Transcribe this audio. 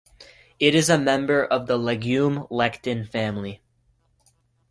It is a member of the legume lectin family.